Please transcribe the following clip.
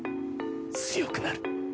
強くなる。